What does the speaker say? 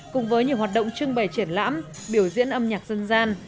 cùng với nhiều hoạt động trưng bày triển lãm biểu diễn âm nhạc dân gian